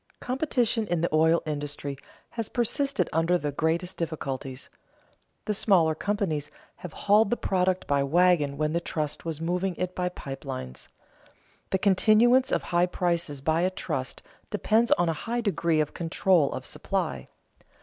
Competition in the oil industry has persisted under the greatest difficulties. The smaller companies have hauled the product by wagon when the trust was moving it by pipe lines. The continuance of high prices by a trust depends on a high degree of control of supply.